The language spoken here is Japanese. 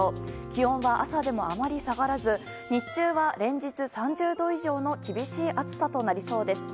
気温は朝でもあまり下がらず日中は連日３０度以上の厳しい暑さとなりそうです。